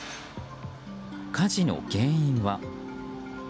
火事の原因は。